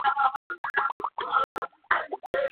د فراغت سند له اجازې پرته نه کارول کیږي.